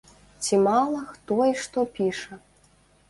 Ці мала, хто і што піша.